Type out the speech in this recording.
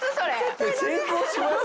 成功します？